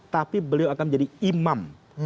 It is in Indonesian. tapi beliau akan menjadi imam